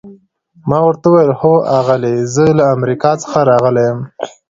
ما ورته وویل: هو آغلې، زه له امریکا څخه راغلی یم.